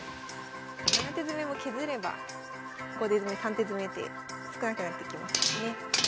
７手詰も削れば５手詰３手詰って少なくなってきますもんね。